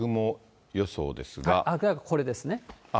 これですね。